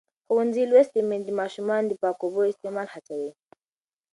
ښوونځې لوستې میندې د ماشومانو د پاکو اوبو استعمال هڅوي.